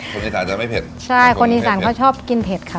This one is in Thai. คนอีสานจะไม่เผ็ดใช่คนอีสานเขาชอบกินเผ็ดค่ะ